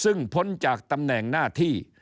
ซึ่งพ้นจากตำแหน่งหน้าที่